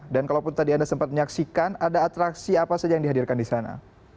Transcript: dan kalau pun tadi anda sempat menyaksikan ada atraksi apa saja yang dihadirkan di sana